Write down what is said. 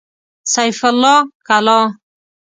سيف الله کلا